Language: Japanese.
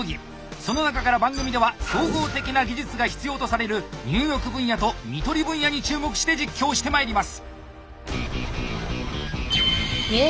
その中から番組では総合的な技術が必要とされる「入浴」分野と「看取り」分野に注目して実況してまいります！